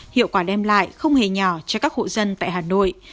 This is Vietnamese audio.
hiệu quả đem lại không hề nhỏ cho các hộ dân tại hà nội